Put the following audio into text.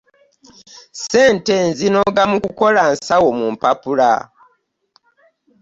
Ssente nzinoga mu kukola nsawo mu mpapula.